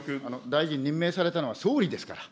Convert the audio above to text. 大臣、任命されたのは総理ですから。